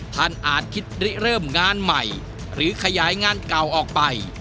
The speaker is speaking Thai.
อาจคิดริเริ่มงานใหม่หรือขยายงานเก่าออกไป